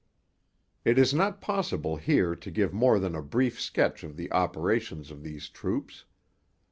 It is not possible here to give more than a brief sketch of the operations of these troops.